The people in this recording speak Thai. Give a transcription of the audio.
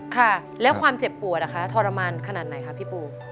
ค่ะแล้วความเจ็บปวดทรมานขนาดไหนคะพี่ปู